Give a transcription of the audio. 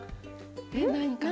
えっ何かな？